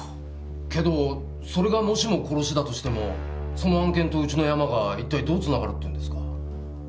けどそれがもしも殺しだとしてもその案件とうちのヤマが一体どう繋がるっていうんですか？